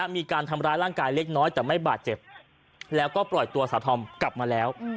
มีการทำร้ายร่างกายเล็กน้อยแต่ไม่บาดเจ็บแล้วก็ปล่อยตัวสาวธอมกลับมาแล้ว